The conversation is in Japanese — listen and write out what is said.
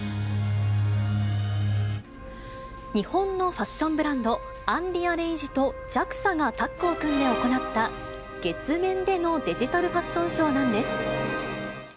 日本のファッションブランド、アンリアレイジとＪＡＸＡがタッグを組んで行った、月面でのデジタルファッションショーなんです。